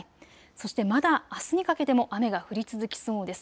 そしてまだあすにかけても雨が降り続きそうです。